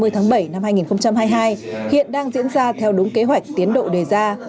hai mươi tháng bảy năm hai nghìn hai mươi hai hiện đang diễn ra theo đúng kế hoạch tiến độ đề ra